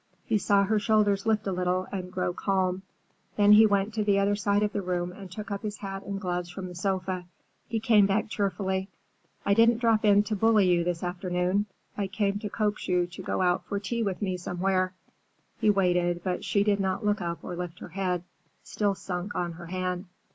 He saw her shoulders lift a little and grow calm. Then he went to the other side of the room and took up his hat and gloves from the sofa. He came back cheerfully. "I didn't drop in to bully you this afternoon. I came to coax you to go out for tea with me somewhere." He waited, but she did not look up or lift her head, still sunk on her hand.